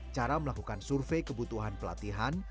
cara melakukan survei kebutuhan pelatihan